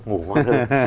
ngủ ngon hơn